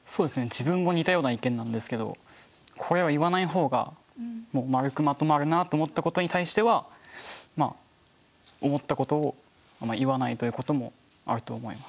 自分も似たような意見なんですけどこれは言わない方がもうまるくまとまるなと思ったことに対してはまあ思ったことを言わないということもあると思います。